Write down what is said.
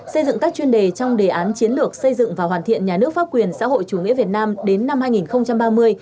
xây dựng các chuyên đề trong đề án chiến lược xây dựng và hoàn thiện nhà nước pháp quyền xã hội chủ nghĩa việt nam đến năm hai nghìn ba mươi